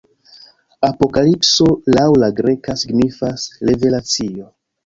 Apokalipso, laŭ la greka, signifas "Revelacio".